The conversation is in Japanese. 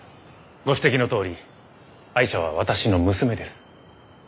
ご指摘のとおりアイシャは私の娘です。